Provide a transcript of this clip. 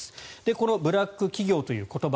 このブラック企業という言葉